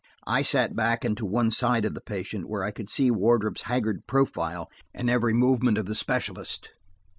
I sat back and to one side of the patient, where I could see Wardrop's haggard profile and every movement of the specialist.